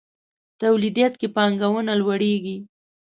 توليديت کې پانګونه لوړېږي.